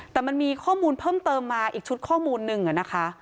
แต่มันมีข้อมูลเพิ่มเติมมาอีกชุดข้อมูลหนึ่งนะคะ